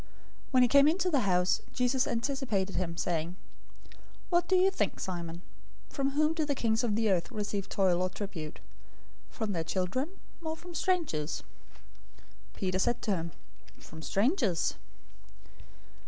When he came into the house, Jesus anticipated him, saying, "What do you think, Simon? From whom do the kings of the earth receive toll or tribute? From their children, or from strangers?" 017:026 Peter said to him, "From strangers."